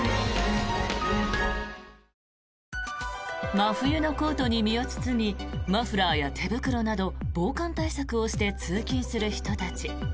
真冬のコートに身を包みマフラーや手袋など防寒対策をして通勤する人たち。